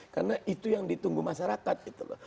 karena itu yang ditunggu masyarakat gitu loh